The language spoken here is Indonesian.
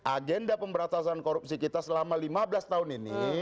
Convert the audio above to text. agenda pemberantasan korupsi kita selama lima belas tahun ini